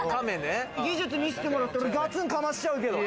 技術見せてもらったら、ガツンかましちゃうけど。